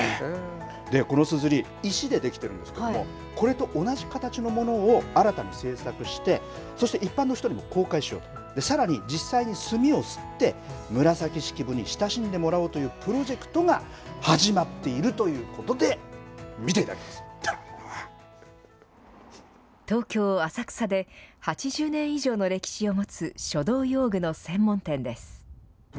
このすずり石でできているんですけれどもこれと同じ形のものも新たに製作して一般の人にも公開しようとさらに実際に墨をすって紫式部に親しんでもらおうというプロジェクトが始まっているということで東京、浅草で８０年以上の歴史を持つ書道用具の専門店です。